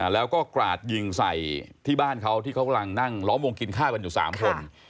แล้วก็กราดยิงใส่ที่บ้านเขาที่เขากำลังนั่งล้อมวงกินข้าวกันอยู่๓คน